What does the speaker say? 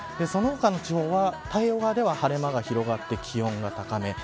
その他の地方は、太平洋側では晴れ間が広がって気温が高め。